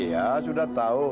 ya sudah tahu